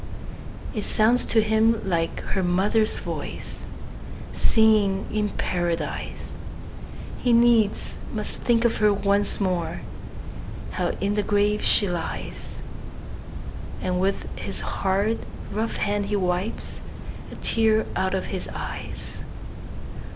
It sounds to him like her mother's voice, Singing in Paradise! He needs must think of her once more How in the grave she lies; And with his hard, rough hand he wipes A tear out of his eyes.